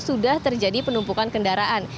sudah terjadi penumpukan kendaraan